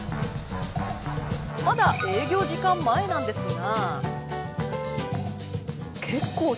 まだ営業時間前なんですが。